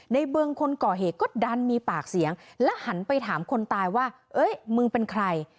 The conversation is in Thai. เบื้องคนก่อเหตุก็ดันมีปากเสียงและหันไปถามคนตายว่าเอ้ยมึงเป็นใคร